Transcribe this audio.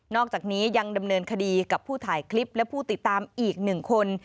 อกจากนี้ยังดำเนินคดีกับผู้ถ่ายคลิปและผู้ติดตามอีก๑คน